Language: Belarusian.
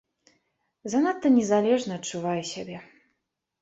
Занадта незалежна адчувае сябе.